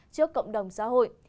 trước cộng đồng xã hội